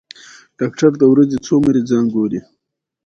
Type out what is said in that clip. ډاکټر د ورځې څو مريضان ګوري؟